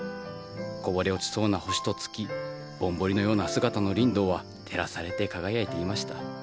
こぼれ落ちそうな星と月ぼんぼりのような姿のリンドウは照らされて輝いていました。